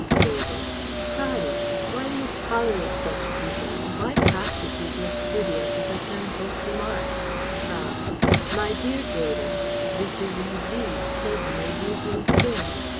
David: "Praddy! why do you tolerate such people and why prostitute your studio to such unwholesome art?" Praed: "My dear David! This is indeed Satan rebuking sin.